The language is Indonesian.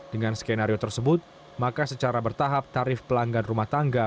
dengan skenario tersebut maka secara bertahap tarif pelanggan rumah tangga